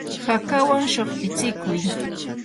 hakawan shuqpitsikuy.